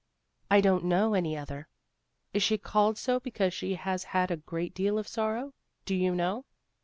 "I don't know any other." "Is she called so because she has had a great deal of sorrow? Do you know?"